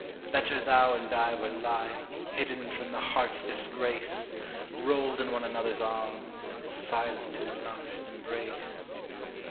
Better thou and I were lying, hidden from the heart's disgrace, Rolled in one another's arms, and silent in a last embrace.